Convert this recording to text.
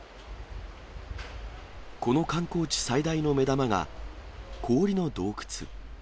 この観光地最大の目玉が氷の洞窟。